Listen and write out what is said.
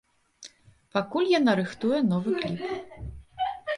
Пакуль яна рыхтуе новы кліп.